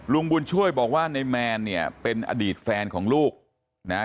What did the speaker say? ลุงบุญช่วยบอกว่าในแมนเนี่ยเป็นอดีตแฟนของลูกนะฮะ